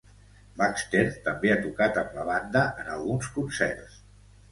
Baxter també ha tocat amb la banda en alguns concerts.